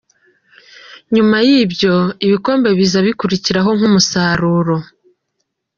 Nyuma y'ibyo, ibikombe biza bikurikiraho nk'umusaruro".